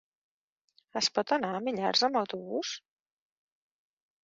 Es pot anar a Millars amb autobús?